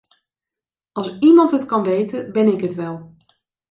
Als iemand het kan weten, ben ik het wel.